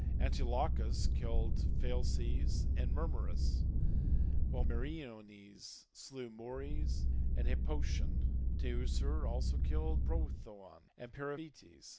Antilochus killed Phalces and Mermerus, while Meriones slew Morys and Hippotion, Teucer also killed Prothoon and Periphetes.